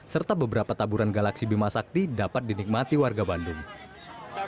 serta beberapa peristiwa yang diperlukan untuk menikmati malam maka ini adalah peristiwa yang diperlukan untuk menikmati malam